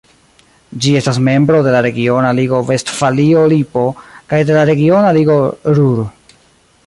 Ĝi estas membro de la regiona ligo Vestfalio-Lipo kaj de la regiona ligo Ruhr.